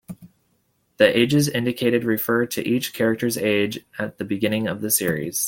The ages indicated refer to each character's age at the beginning of the series.